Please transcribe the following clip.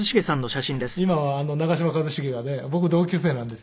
今は長嶋一茂がね僕同級生なんですよ。